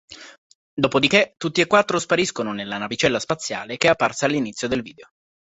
Dopodiché, tutti e quattro spariscono nella navicella spaziale che è apparsa all'inizio del video.